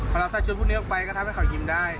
พอเราใส่ชุดพวกนี้ออกไปก็ทำให้เขายิ้มได้